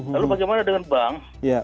lalu bagaimana dengan bank